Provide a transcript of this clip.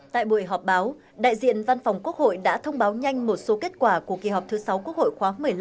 tại buổi họp báo đại diện văn phòng quốc hội đã thông báo nhanh một số kết quả của kỳ họp thứ sáu quốc hội khóa một mươi năm